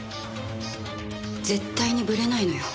絶対にブレないのよ